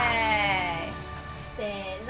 せの！